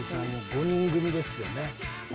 ５人組ですよね。